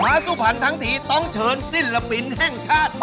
มาสุภัณฐ์ทั้งทีต้องเชิญศิลปินแห้งชาติ